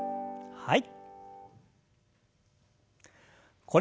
はい。